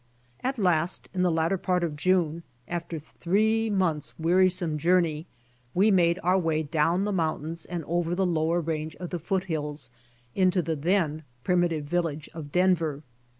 At last in the latter part of June, after three months' wearisiome journey, we made our way down the mountains and over the lower range of the foot» hills into the then primitive village of Denver.